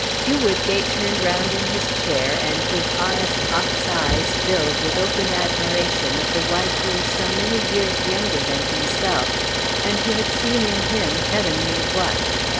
Hugh Woodgate turned round in his chair, and his honest ox eyes filled with open admiration of the wife who was so many years younger than himself, and who had seen in him Heaven knew what!